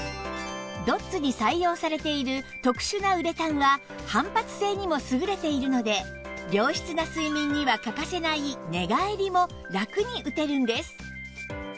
ドッツに採用されている特殊なウレタンは反発性にも優れているので良質な睡眠には欠かせない寝返りもラクに打てるんです